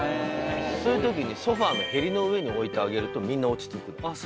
そういうときにソファのへりの上に置いてあげるとみんな落ち着く。